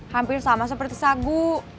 hampir sama seperti sagu